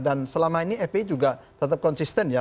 dan selama ini fpi juga tetap konsisten ya